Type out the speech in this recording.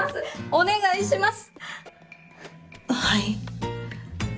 お願いします！